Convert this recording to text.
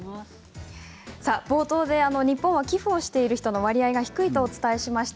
冒頭で日本は寄付をしている人の割合が低いとお伝えしました。